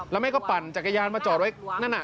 แล้วแม่ก็ปั่นจักรยานมาจอดไว้นั่นน่ะ